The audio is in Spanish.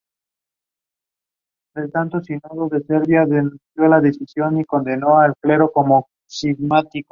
Practica el proteccionismo aduanero para su industria.